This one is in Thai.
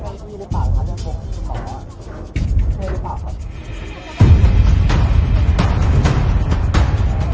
อันนี้ก็จะครับที่ยังไม่ได้